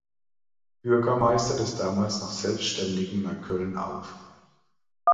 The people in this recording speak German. Bürgermeister des damals noch selbstständigen Neukölln auf.